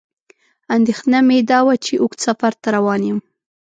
اندېښنه مې دا وه چې اوږد سفر ته روان یم.